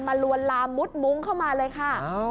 ลวนลามมุดมุ้งเข้ามาเลยค่ะ